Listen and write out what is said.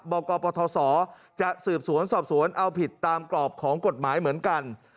กปทศจะสืบสวนสอบสวนเอาผิดตามกรอบของกฎหมายเหมือนกัน